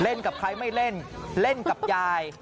กับใครไม่เล่นเล่นกับยาย